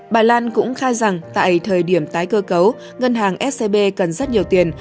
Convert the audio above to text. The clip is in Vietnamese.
bà lan cũng khai rằng tại thời điểm tái cơ cấu ngân hàng scb cần rất nhiều tiền